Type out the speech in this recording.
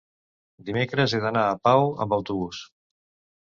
dimecres he d'anar a Pau amb autobús.